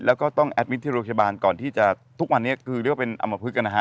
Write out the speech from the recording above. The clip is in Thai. แล้วก็ต้องแอดมิตรที่โรงพยาบาลก่อนที่จะทุกวันนี้คือเรียกว่าเป็นอำมพลึกนะฮะ